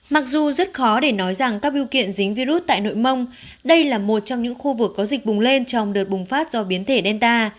mặc dù rất khó để nói rằng các biêu kiện dính virus tại nội mông đây là một trong những khu vực có dịch bùng lên trong đợt bùng phát do biến thể delta